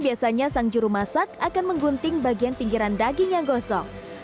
biasanya sang juru masak akan menggunting bagian pinggiran daging yang gosong